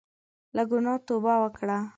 له ګناه توبه وکړه.